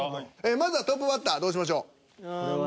まずはトップバッターどうしましょう？